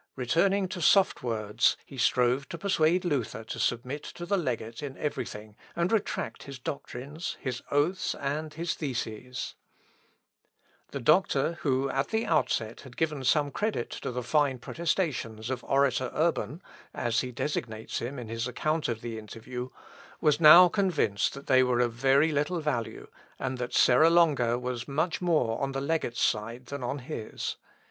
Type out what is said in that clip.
Returning to soft words, he strove to persuade Luther to submit to the legate in every thing, and retract his doctrines, his oaths, and his theses. "Et nutu solo omnia abrogare, etiam ea quæ fidei essent." (Luth. Ep. i, 144.) The doctor, who, at the outset, had given some credit to the fine protestations of orator Urban, (as he designates him in his account of the interview,) was now convinced that they were of very little value, and that Serra Longa was much more on the legate's side than on his.